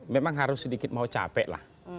memang harus sedikit mau capek lah